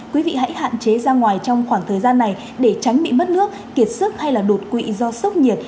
quý vị hãy hạn chế ra ngoài trong khoảng thời gian này để tránh bị mất nước kiệt sức hay là đột quỵ do sốc nhiệt